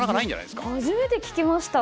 初めて聞きました。